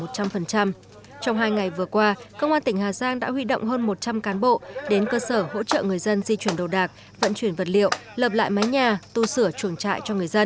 trong hai ngày vừa qua công an tỉnh hà giang đã huy động hơn một trăm linh cán bộ đến cơ sở hỗ trợ người dân di chuyển đồ đạc vận chuyển vật liệu lập lại mái nhà tu sửa chuồng trại cho người dân